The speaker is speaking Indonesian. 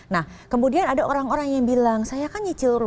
nah kemudian ada orang orang yang bilang saya kan nyicil